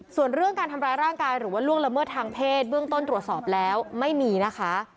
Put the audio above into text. ส่วนเรื่องการทำร้ายร่างกายหรือว่าล่วงละเมิดทางเพศเบื้องต้นตรวจสอบแล้วไม่มีนะคะ